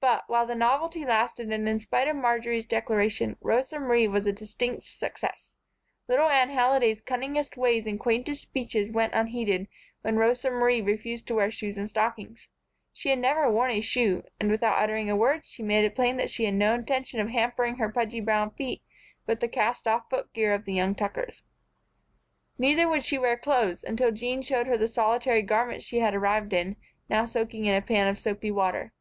But, while the novelty lasted and in spite of Marjory's declaration, Rosa Marie was a distinct success. Little Anne Halliday's cunningest ways and quaintest speeches went unheeded when Rosa Marie refused to wear shoes and stockings. She had never worn a shoe, and, without uttering a word, she made it plain that she had no intention of hampering her pudgy brown feet with the cast off footgear of the young Tuckers. Neither would she wear clothes, until Jean showed her the solitary garment she had arrived in, now soaking in a pan of soapy water.